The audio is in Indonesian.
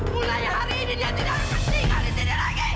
mulanya hari ini dia tidak akan tinggal di sini lagi